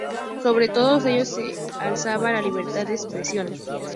Sobre todos ellos se alzaba la libertad de expresión.